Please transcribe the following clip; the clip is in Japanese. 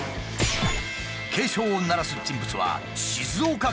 警鐘を鳴らす人物は静岡県にいた。